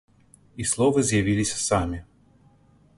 І словы з'явіліся самі.